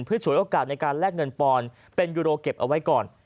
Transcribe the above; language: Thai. ฉวยโอกาสในการแลกเงินปอนด์เป็นยูโรเก็บเอาไว้ก่อน